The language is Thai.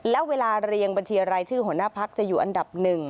และเวลาเรียงบัญชีรายชื่อหัวหน้าพักจะอยู่อันดับ๑